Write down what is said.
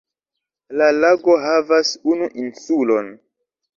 La lago havas unu insulon.